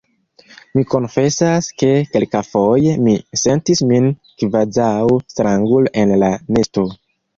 Mi konfesas, ke kelkafoje mi sentis min kvazaŭ strangulo en la nesto.